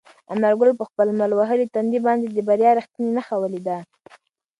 انارګل په خپل لمر وهلي تندي باندې د بریا رښتینې نښه ولیده.